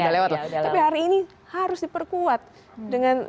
lewat lah tapi hari ini harus diperkirakan